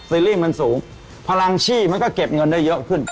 รีส์มันสูงพลังชี่มันก็เก็บเงินได้เยอะขึ้น